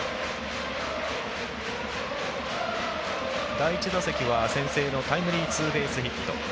第１打席は先制のタイムリーツーベースヒット。